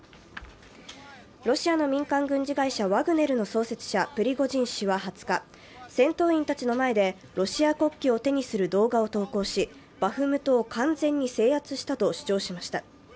ロシアの民間軍事会社ワグネルの創設者・プリゴジン氏は２０日、戦闘員たちの前でロシア国旗を手にする動画を投稿し、バフムトを完全に制圧したと主張しました。